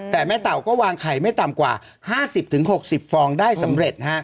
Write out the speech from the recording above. แต่แม่เต่าก็วางไข่ไม่ต่ำกว่า๕๐๖๐ฟองได้สำเร็จ